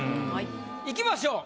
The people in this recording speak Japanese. いきましょう。